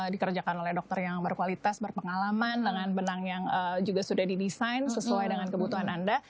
dikerjakan oleh dokter yang berkualitas berpengalaman dengan benang yang juga sudah didesain sesuai dengan kebutuhan anda